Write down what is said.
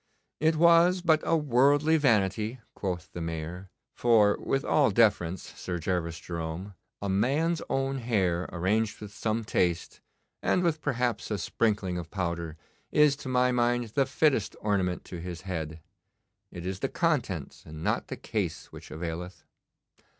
'It was but a worldly vanity,' quoth the Mayor; 'for, with all deference, Sir Gervas Jerome, a man's own hair arranged with some taste, and with perhaps a sprinkling of powder, is to my mind the fittest ornament to his head. It is the contents and not the case which availeth.